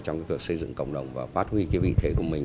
trong việc xây dựng cộng đồng và phát huy vị thế của mình